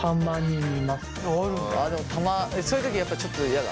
そういう時やっぱちょっと嫌だ？